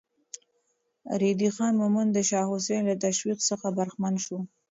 ريدی خان مومند د شاه حسين له تشويق څخه برخمن شو.